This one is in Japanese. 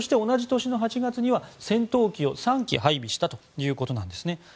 同じ年の８月には戦闘機を３機配備したということなんですね。